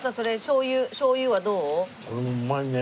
これもうまいね。